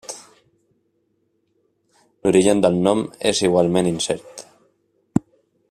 L'origen del nom és igualment incert.